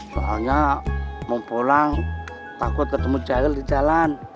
soalnya mau pulang takut ketemu jahil di jalan